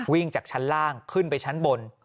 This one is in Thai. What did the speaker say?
วิ่งจากชั้นล่างขึ้นไปชั้นบน